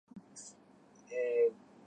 あと一問